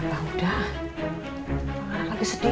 abang udah orang orang lagi sedih